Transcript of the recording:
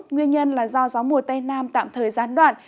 nguyên nhân là do gió mùa tây nam tạm thời gián đoạn